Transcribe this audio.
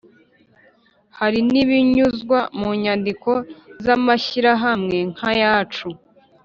hari n'ibinyuzwa mu nyandiko z'amashyirahamwe nka yacu